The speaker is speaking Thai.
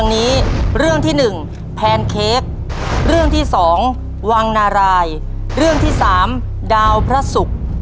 นี้เรื่องที่หนึ่งแพนเค้กเรื่องที่สองวังนารายเรื่องที่สามดาวพระศุกร์